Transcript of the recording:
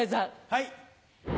はい。